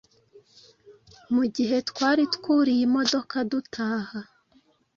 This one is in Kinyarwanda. Mu gihe twari twuriye imodoka dutaha